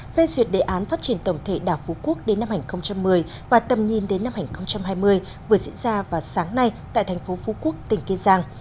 về duyệt đề án phát triển tổng thể đảo phú quốc đến năm hai nghìn một mươi và tầm nhìn đến năm hai nghìn hai mươi vừa diễn ra vào sáng nay tại thành phố phú quốc tỉnh kiên giang